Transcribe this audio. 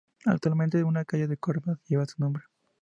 Actualmente una calle de Córdoba lleva su nombre.